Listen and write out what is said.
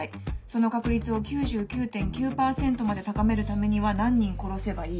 その確率を９９．９パーセントまで高めるためには何人殺せばいい？」。